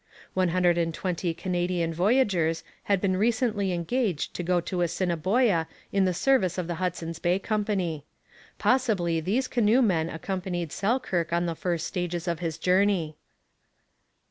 One hundred and twenty Canadian voyageurs had been recently engaged to go to Assiniboia in the service of the Hudson's Bay Company. Possibly these canoemen accompanied Selkirk on the first stages of his journey.